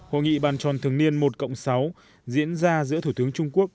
hội nghị bàn tròn thường niên một cộng sáu diễn ra giữa thủ tướng trung quốc